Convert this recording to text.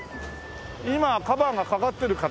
今はカバーがかかってる形？